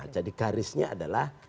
jadi garisnya adalah